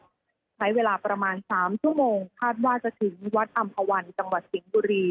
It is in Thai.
ใช้เวลาประมาณ๓ชั่วโมงคาดว่าจะถึงวัดอำภาวันจังหวัดสิงห์บุรี